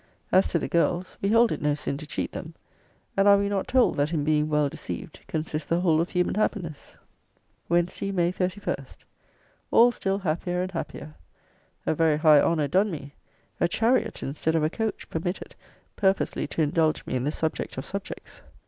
As to the girls, we hold it no sin to cheat them. And are we not told, that in being well deceived consists the whole of human happiness? WEDNESDAY, MAY 31. All still happier and happier. A very high honour done me: a chariot, instead of a coach, permitted, purposely to indulge me in the subject of subjects.